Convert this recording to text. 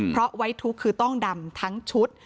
เพราะไว้ทุกข์คือต้องดำทั้งชุด